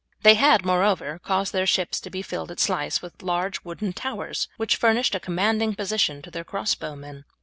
They had, moreover, caused their ships to be fitted at Sluys with large wooden towers, which furnished a commanding position to their crossbow men.